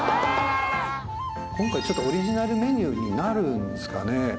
今回オリジナルメニューになるんですかね。